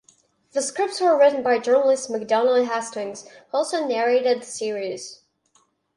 The scripts were written by journalist Macdonald Hastings who also narrated he series.